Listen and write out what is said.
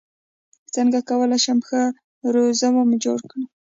څنګه کولی شم ښه رزومه جوړ کړم